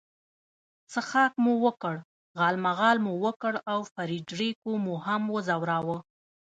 څښاک مو وکړ، غالمغال مو وکړ او فرېډریکو مو هم وځوراوه.